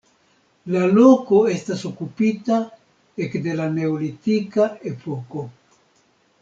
La loko estas okupita ekde la neolitika epoko.